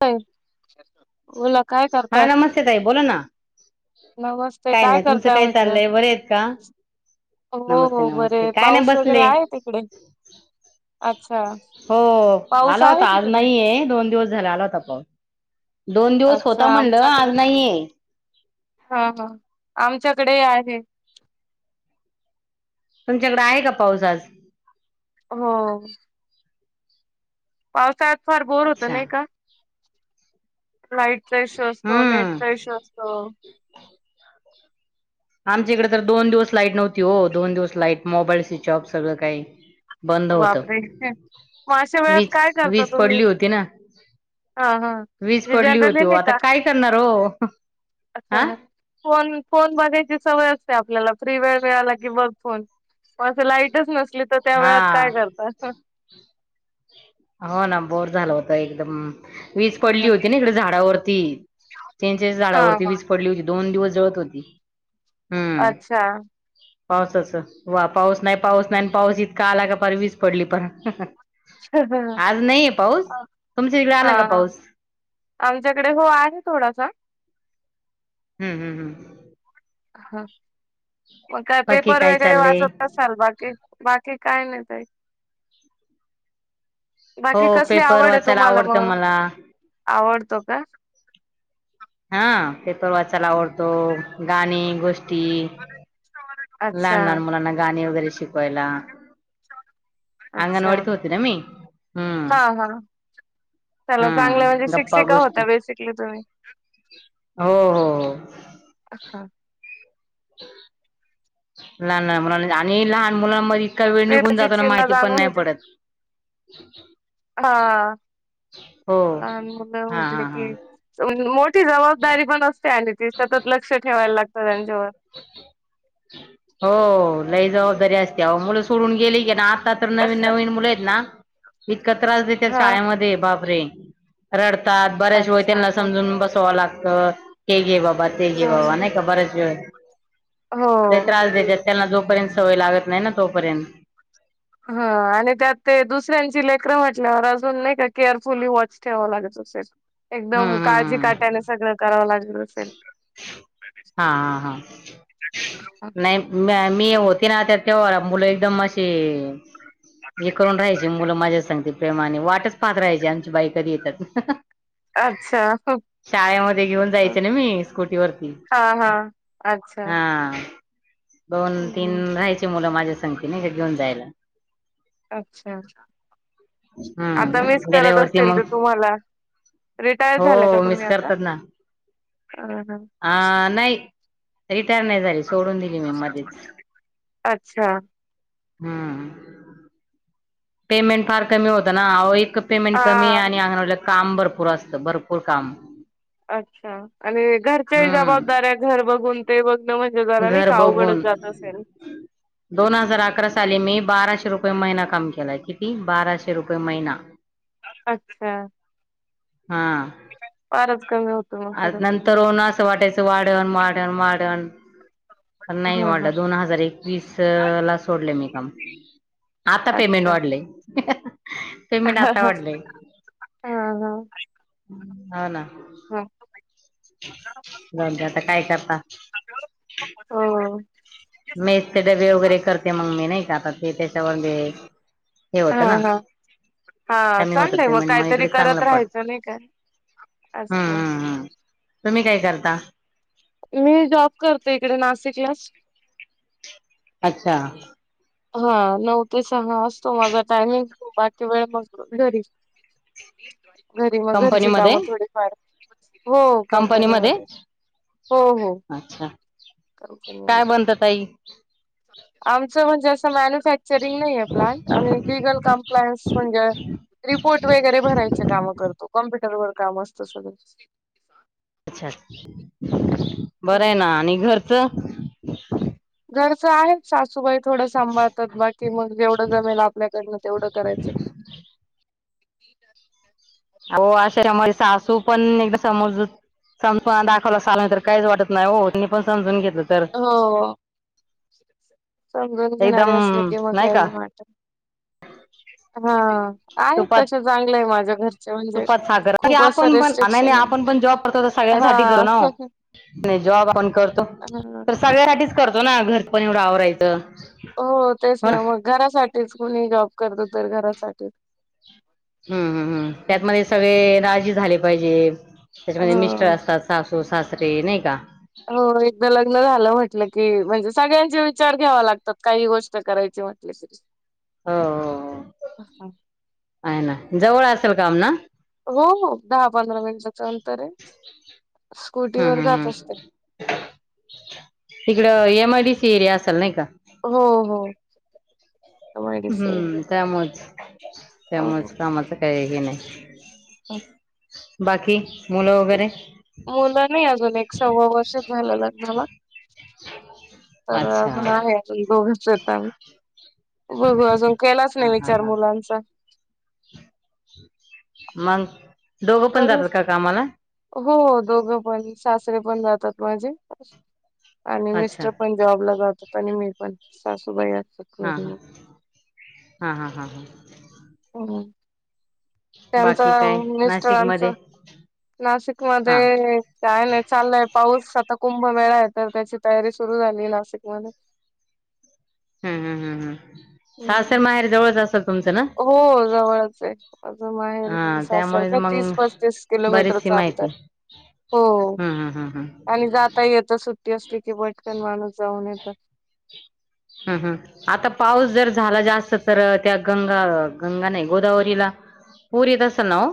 [unintelligible] बोला काय करताय? [unintelligible] ताई बोलाना. नमस्ते काय नाही तुमचं करताय काय म्हटलं? चाललंय बरे आहेत का? हो नमस्ते हो बरे नमस्ते! काय नाही, पाऊस वगैरे बसले. आहे तिकडे? अच्छा. हो पाऊस आला आहे होता, आज तिकडे? नाहीये, दोन दिवस झाले आला होता. दोन दिवस अच्छा होता म्हणलं, आमच्याकडे आज नाहीये. हा हा आमच्याकडे आज आहे. तुमच्याकड आहे का पाऊस आज? हो. पावसाळ्यात फार बोर होत अच्छा नाही का? लाईटचा इशू असतो, हम्म नेटचा इश्यू असतो. आमच्या इकडे तर दोन दिवस लाईट नव्हती हो. दोन दिवस लाईट, मोबाईल स्विचऑफ सगळं काही बंद होत. बापरे! मग अशा वेळात वीज काय करता वीज तुम्ही? पडली होती ना. हा हा वीज म्हणजे पडली होती जनरली हो. नाही आता का? काय करणार हो? हा? फोन फोन बघायची सवय असते आपल्याला. फ्री वेळ मिळाला की बघ फोन. पण आता लाईटच नसली तर त्या वेळात हा काय करता? हो ना बोर झालं होत एकदम. वीज पडली होती ना इकडे झाडावरती, चिंचेच्या हा झाडावरती हा वीज पडली होती. दोन दिवस जळत होती. हम्म अच्छा. पावसाच, वा पाऊस नाही, पाऊस नाही आणि पाऊस इतका आला कि पार वीज पडली परत. आज नाहीये पाऊस, तुमच्या तिकडे आला का हा पाऊस? आमच्याकडे हो आहे थोडासा. हम्म हम् हम्. मग काय बाकी पेपर वगैरे चाललंय वाचत अस चल बाकी? बाकी काय नाही ताई. बाकी हो कसली पेपर आवड आहे वाचायला तुम्हाला आवडतं मग? मला आवडतो का? हा पेपर वाचायला आवडतो, गाणी, गोष्टी अच्छा लहान लहान मुलांना गाणी वगैरे शिकवायला अच्छा अगंणवाडीत होते ना मी. हम्म. हा हा चला हा चांगल, म्हणजे गप्पा शिक्षिका गोष्टी होत्या बेसिकली तुम्ही. हो हो हो. अ हा. [inaudible] लहान लहान मुलांन मधे. आणि लहान मुलांमध्ये इतका वेळ निघून पेपरची जातो ना चिन्ह माहिती पण जाणून नाही होते पडत. हा हो हा हा हा. अस म्हणजे मोठी जबाबदारी पण असते आणि ती. सतत लक्ष ठेवायला लागतं त्यांच्यावर. हो लई जबाबदारी असते अहो. मुलं सोडून गेली की ना आता तर नवीन नवीन मुलं एत ना इतका त्रास देतात हा शाळेमध्ये बापरे. रडतात बऱ्याच वेळ अच्छा त्यांना समजून बसवावं लागतं हे घे बाबा ते घे बाबा हा. नाय का बऱ्याच वेळ. हो. लय त्रास देत्यात त्यांना जोपर्यंत सवय लागत नाय ना तोपर्यंत. हा आणि त्यात ते दुसऱ्यांची लेकरं म्हटल्यावर अजून नाय का केअरफुली वॉच ठेवावं लागत असेल? हम्म एकदम हम्म काळजी हम्म कट्यान सगळं करावं लागत असेल? हा हा हा [inaudible] नाही म्या- मी होते ना तर तेव्हा मुलं एकदम अशे हे करून राहाय चे -मुलं माझ्या सांगती प्रेमाने वाटच पाहत राहायची आमची बाई कधी येत्यात. अच्छा शाळेमध्ये घेऊन जायचं ना मी. खुटीवरती हा. अच्छा. हा दोन तीन हम्म राहायची मुलं माझ्या सगंती नाय का घेऊन जायला. अच्छा आता मिस हम्म करत गेल्यावरती असतील मग ते तुम्हाला? रिटायर झाल्या का हो मिस तुम्ही आता? हा. आ नाय. रिटायर नाय झाली सोडून दिली मी मध्येच. अच्छा हम्म. पेमेंट फार कमी होतं ना आओ इतकं पेमेंट कमी हा आणि अंगणवाडीला काम भरपूर असतं भरपूर काम. अच्छा आणि घरच्याही हम्म जबाबदऱ्या घर बघून ते बघण म्हणजे जरा नाय घर का अवघडच बघून जात असेल? दोन हजार अकरा साली मी बाराशे रुपये महिना काम केलाय किती बाराशे रुपय महिना. [inaudible] अच्छा. हा फारच कमी होतो मग खर आज तर नंतर असं वाटायचं वाढन वाढन वाढन पण नाय हा हा वाढलं दोन हजार एकवीस ला सोडल मी काम. आता पेमेंट अच्छा वाढलय. पेमेंट हा आता हा वाढलय हा हाव ना. हा जाऊन आता काय करता [inaudible] हो. मेसच डब्बे वगैरे करते मग मी नाय का आता ते त्याच्यावर हे हा होतं ना. हा हा कमी होतं चांगलंय मग पेमेंट कायतरी इकडे चांगलं करत पडत राहायचं नाय का. हम्म अच्छा. हम्म हम्म तुम्ही काय करता? मी जॉब करते इकडे नाशिकलाच. अच्छा. हा नऊ ते सहा असतो माझा टायमिंग बाकी वेळ मग घरी. [inaudible] घरी मग घरची कंपनीमध्ये कामं थोडीफार हो कंपनीमध्ये. हो हो अच्छा कंपनी काय मध्ये. बनतं ताई आमचं म्हणजे असं मन्यू फॅक्चरिंग नाहीये प्लांट आम्ही लिगल कम्प्लायन्स म्हणजे रिपोर्ट वगैरे भरायचे काम करतो कॉम्प्युटरवर काम असत सगळच. अच्छा, बर आहे हम्म. ना आणि घरचं? घरचं आहे. सासूबाई थोडं सांभाळतात बाकी मग जेवढं जमेल आपल्याकडनं तेवढं करायचं. [unintelligible] अहो अशा [unintelligible] सासू पण एकदा समज संपा दाखवलासा नाही तर काहीच वाटत नाही ओ मी पण समजून घेतलं. तर हो, समजून एकदम घेणारे असले की मग काय नाही वाट हा. आहे तुपात तसे चांगलं आहे माझ्या घरचे म्हणजे, तुपात साखर की खूप असं आपण पण नाही नाही रेस्ट्रिक्शनये. आपण पण जॉब करतो तर सगळ्यांसाठी हा. करू ना हो नाही जॉब पण कर. [unintelligible] सगळ्यासाठीच करतो ना घर पण एवढं आवरायचं. हो तेच ना मग घरासाठीच कुणी जॉब करतो तर घरासाठीच. हम्म हम्म हम्म त्यातमध्ये सगळे राजी झाले पाहिजे, त्याच्यामध्ये मिस्टर ह असतात. सासू सासरे नाही का? हो एकदा लग्न झालं म्हटलं की म्हणजे सगळ्यांचे विचार घ्यावा लागतात काही गोष्ट करायची म्हटलं की? [inaudible] हो हो हो, आहे ना जवळ असेल काम ना? हो दहा पंधरा मिनिटाच अंतर ये, स्कूटीवर हम्म जात हम्म असते. तिकडं M I D C area असल नाही का? हो हो. [inaudible] त मय. हम्म त्यामुळेच, हो. त्यामुळेच कामाचं काय हे नाही. बाकी? मुलं वगैरे मुलं नाही अजून एक सव्वा वर्ष झालं लग्नाला. तर अच्छा अजुन हा आहे. दोघचत आमी, बघू अजून केलाच नाही विचार मुलांचा. मंग, दोघं पण करू जातात का कामाला? हो दोघ पण सासरे पण जातात माझे, आणि अच्छा मिस्टर पण. जॉब ला जातात आणि मी पण सासूबाई असतात. हा घरी हा, हा हा हा. फोन वर. त्यांचा बाकी काय मिस्टरांचा, नाशिकमध्ये नाशिक हा मध्ये काय नाही चालय पाऊस आता कुंभ मेळा आहे तर त्याची तयारी सुरू झाली नाशिकमधे. हम्म, सासर हम्म माहेर जवळच असल तुमचं ना? हो जवळच आहे, माझं माहेर आणि हा सासर त्यामुळे काय तीस पस्तीस किलोमीटरचं अंतर. हो हम आणि हम्म. जाता येत सुट्टी असली की पटकन माणूस जाऊन येतं. [inaudible] आता पाऊस जर झाला जास्त तर त्या गंगा गंगा नाही गोदावरीला पूर येत असल ना ओ?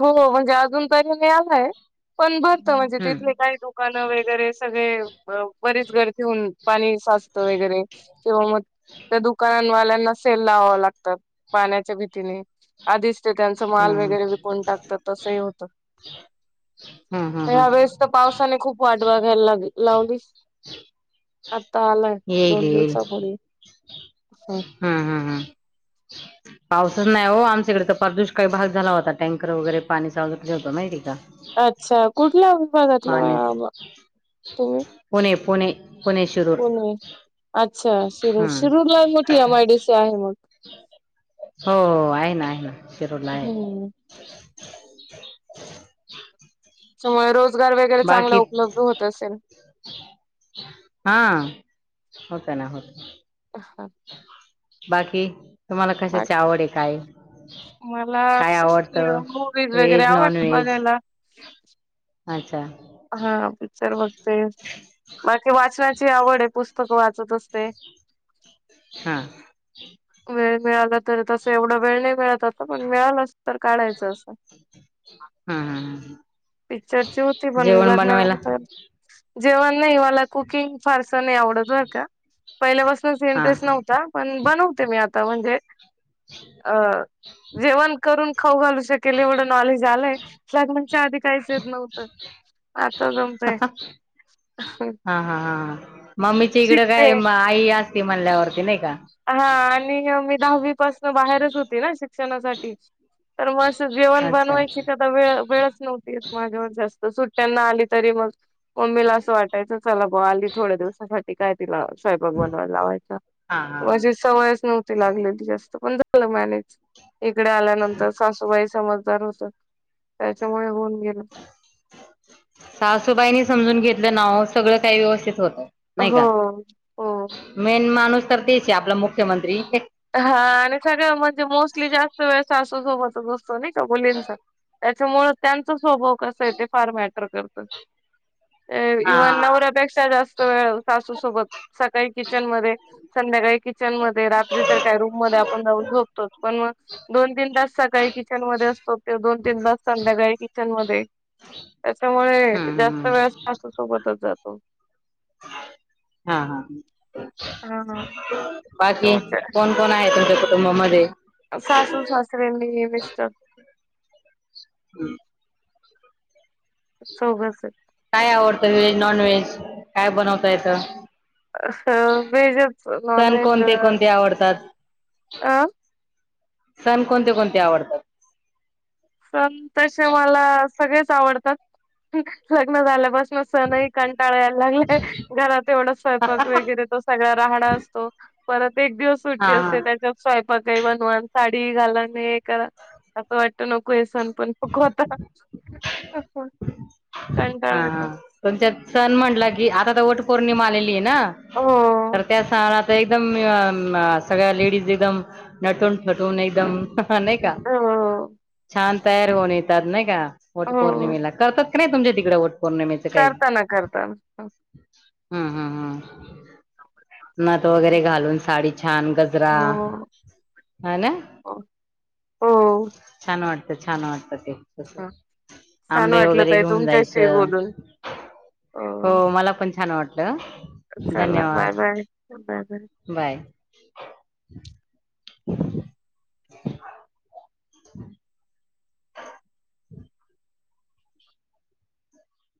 हो म्हणजे अजून तरी नाही आलाय, पण भरत म्हणजे हम्म तिथले काही लोक कानं वगैरे सगळे ब बरीच गर्दी होऊन पाणी साचतं वगैरे. किंवा मग त्या दुकानवाल्यांना सेल लावाव लागतात, पाण्याच्या भीतीने. आधीच ते त्यांचं माल हम्म वगैरे विकून टाकतात तसंही होतं. हम्म हम्म आता हम्म. ह्यावेळेस तर पावसाने खूप वाट बघायला लाग लावलीस, आता आलाय. येईल दोन येईल दिवसापूर्वी हा. हम्म हम्म हम्म. पाऊसच नाही ओ, आमच्याकडे तर पार दुष्काळी भाग झाला होता, टँकर वगैरे पाणी [unintelligible] होत माहितीय का. अच्छा, कुठल्या विभागातल्या पाण्याच तुम्ही? पुणे पुणे, पुणे शिरूर. पुणे अच्छा, शिरूर हम्म शिरूर लय मोठी एम आय डी सी आहे मग. हो, आहे ना आहे ना शिरूर ला आहे. हम्म त्याच्यामुळे रोजगार वगैरे चांगला बाकी उपलब्ध होत असेल. हा, होतं ना होत. अ हा. बाकी तुम्हाला कशाची बाकी आवड आहे काय आहे? मला असच की ओ मूवीज वगैरे व्हेज नॉन आवडतं व्हेज बघायला. अच्छा. हा पिक्चर बघते, बाकी वाचनाची आवड आहे पुस्तक वाचत असते. हा. वेळ मिळाला तर तसं एवढा वेळ नाही मिळत आता, पण मिळालाच तर काढायचा असा हा हा ह पिक्चरची होती पण, जेवण बनवायला लग्नानंतर जेवण नाही, मला कुकिंग फारस नाही आवडत बर का. पहिल्यापासनच हा इंटरेस्ट नव्हता, पण बनवते मी आता म्हणजे अ जेवण करून खाऊ घालू शकेल एवढं नॉलेज आलंय. लग्नाच्याआधी काहीच येत नव्हतं. [unintelligible] आता जमतय हा हा हा, मम्मीच्या इकडं शिकते काय आई असती म्हणल्यावरती नाही का. हा आणि अ मी दहावी पासनं बाहेरच होती ना शिक्षणासाठी. तर म असं जेवण अच्छा बनवायची कध द् वेळ वेळच नव्हती माझ्यावर जास्त सुट्ट्यांना आली तरी मग मम्मीला असं वाटायचं चला बवा आली थोड्या दिवसासाठी काय तिला स्वयपाक बनवायला लावायचा. हा हा म अशी सवयच नव्हती लागलेली जास्त, पण झालं मॅनेज इकडे आल्यानंतर सासूबाई समजदार होत्या त्याच्यामुळे होऊन गेलं. सासूबाईनी समजून घेतलं ना ओ सगळं काही व्यवस्थित होतं. नाही का? हो हो मेन माणूस तर तेच आहे आपला मुख्यमंत्री. हा आणि सगळं म्हणजे मोस्टली जास्त वेळ सासू सोबतच असतो नाही का मुलींचा. त्याच्यामुळे त्यांचा स्वभाव कसा आहे ते फार मॅटर करतं. हा इव्हन नवऱ्यापेक्षा जास्त वेळ सासूसोबत सकाळी किचन मध्ये संध्याकाळी किचन मध्ये रात्री तर काय रूम मध्ये आपण जाऊन झोपतोच, पण मग दोन तीन तास सकाळी किचन मध्ये असतो, ते दोन तीन तास संध्याकाळी किचन मध्ये त्याच्यामुळे हम्म जास्त हम्म वेळ सासू सोबतच जातो. हा हा, हा हा बाकी त्यामुळे कोण कोण आहे तुमच्या कुटुंबामध्ये? सासू, सासरे मी मिस्टर. हम् चौघ [unintelligible] काय आवडतं व्हेज नॉनव्हेज? काय बनवता येत? अस व्हेजच. सण नॉनव्हेज कोणते -अ? कोणते आवडतात सण कोणते कोणते आवडतात? सण तसे मला सगळेच आवडतात. लग्न झाल्यापासनच. सणही कंटाळा यायला लागलाय. घरात एवढा स्वयंपाक वगैरे तो सगळा राहाडा असतो. परत एक दिवस हा सुट्टी हा असते त्याच्या- स्वयंपाकही बनवा. साडीही घाला आणि हे करा असं वाटत नको. ते सण पण नको होता. कंटाळा हा येतो. हा तुमच्यात सण म्हटला की, आता तर वट पौर्णिमा आलेली ए ना? हो तर त्या [unintelligible] एकदम अ आ सगळ्या लेडीज एकदम नटून थटून एकदम. हा नाही का? हो छान तयार होऊन येतात नाही का? वट हो पौर्णिमेला करतात. नाही तुमच्या तिकड वट पौर्णिमेचं काही? करता ना करता ना. हम्म हम्म हम. नथ वगैरे घालून साडी छान गज - -रा. हो हो ना? हो छान वाटत. छान वाटत ते. छान आंबे वाटलं वगैरे ताई घेऊन तुमच्याशी जायचं. बोलून. हो मला पण छान वाटलं हं. चला bye bye. Bye bye. Bye. हम्.